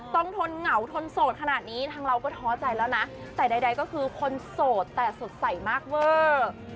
ทนเหงาทนโสดขนาดนี้ทางเราก็ท้อใจแล้วนะแต่ใดก็คือคนโสดแต่สดใสมากเวอร์